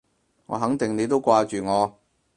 我肯定你都掛住我